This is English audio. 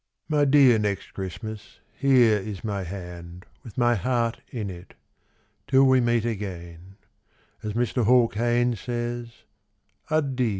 My dear Next Christmas, Here is my hand, With my heart in it. Till we meet again As Mr. Hall Caine says Addio.